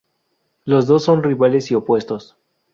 Los dos son rivales y opuestos.